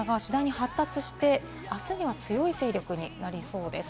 発達して、あすには強い勢力になりそうです。